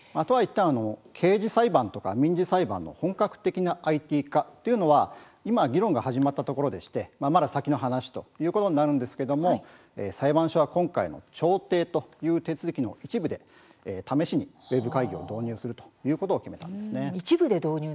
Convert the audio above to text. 刑事裁判、民事裁判の本格的なＩＴ化というのは今、議論が始まったところでしてまだ先の話ということになるんですけれども裁判所は今回の調停という手続きの一部で試しにウェブ会議を導入するということを決めました。